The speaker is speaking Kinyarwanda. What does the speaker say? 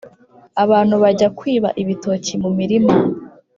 abantu bajya kwiba ibitoki mu milima